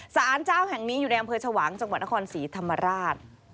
สารเจ้าแห่งนี้อยู่ในอำเภอชวางจังหวัดนครศรีธรรมราช